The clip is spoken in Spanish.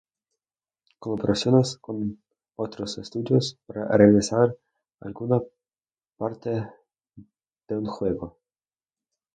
Colaboraciones con otros estudios para realizar alguna parte de un juego.